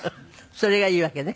それがいいわけね。